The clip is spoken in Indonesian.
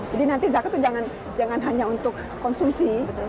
nanti zakat itu jangan hanya untuk konsumsi